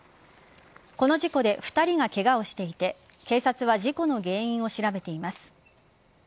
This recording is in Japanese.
この事故で２人がケガをしていて警察は事故の原因を調べています。